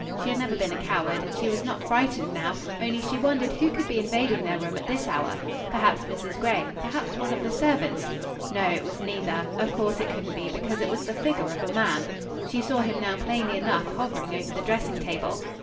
She had never been a coward and she was not frightened now, only she wondered who could be invading their room at this hour. Perhaps Mrs. Gray; perhaps one of the servants. No, it was neither; of course it couldn't be because it was the figure of a man. She saw him now plainly enough hovering over the dressing table.